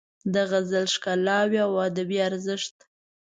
د غزل ښکلاوې او ادبي ارزښت